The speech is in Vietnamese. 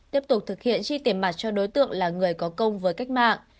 tiếp tục thực hiện chi tiền mặt cho đối tượng là người có công với cách mạng